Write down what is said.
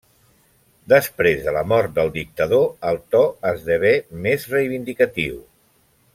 Després de la mort del dictador, el to esdevé més reivindicatiu.